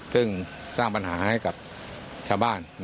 ซึ่งสร้างปัญหาให้กับชาวบ้าน